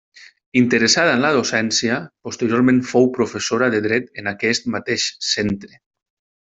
Interessada en la docència, posteriorment fou professora de dret en aquest mateix centre.